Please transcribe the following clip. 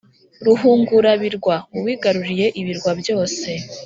ruhungurabirwa: uwigaruriye ibirwa byose